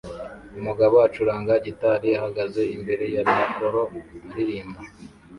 Umugabo ucuranga gitari ahagaze imbere ya mikoro aririmba